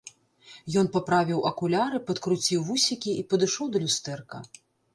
Ён паправіў акуляры, падкруціў вусікі і падышоў да люстэрка.